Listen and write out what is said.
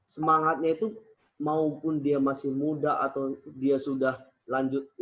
semangatnya itu maupun dia masih muda atau dia sudah lanjut usia